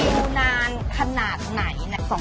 ดูนานขนาดไหน